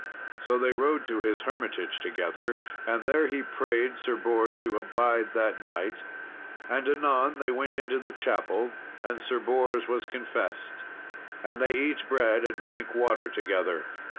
So they rode to his hermitage together, and there he prayed Sir Bors to abide that night, and anon they went into the chapel, and Sir Bors was confessed. And they eat bread and drank water together.